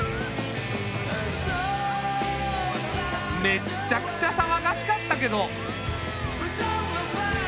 めっちゃくちゃさわがしかったけど。